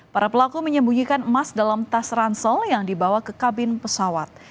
para pelaku menyembunyikan emas dalam tas ransel yang dibawa ke kabin pesawat